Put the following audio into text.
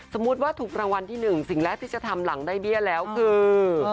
สมมุติว่าถูกรางวัลที่๑สิ่งแรกที่จะทำหลังได้เบี้ยแล้วคือ